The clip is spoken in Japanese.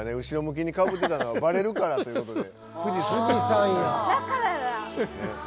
後ろ向きにかぶってたのはバレるからということで。